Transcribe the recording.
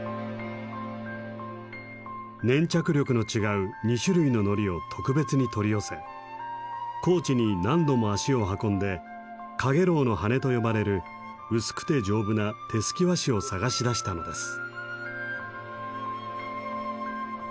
粘着力の違う２種類ののりを特別に取り寄せ高知に何度も足を運んでカゲロウの羽と呼ばれる薄くて丈夫な手すき和紙を探し出したのです。